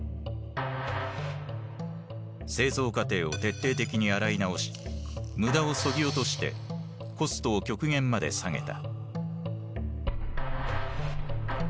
製造過程を徹底的に洗い直し無駄をそぎ落としてコストを極限まで下げた。